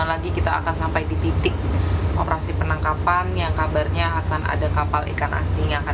lagi kita akan sampai di titik operasi penangkapan yang kabarnya akan ada kapal ikan asing yang akan